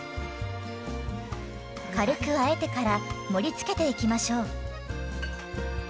軽くあえてから盛りつけていきましょう。